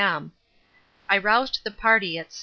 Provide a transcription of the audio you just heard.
M. I roused the party at 6.